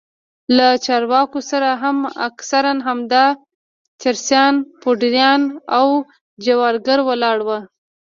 له چارواکو سره هم اکثره همدا چرسيان پوډريان او جوارگر ولاړ وو.